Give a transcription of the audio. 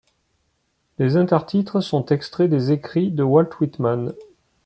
Les intertitres sont extraits des écrits de Walt Whitman.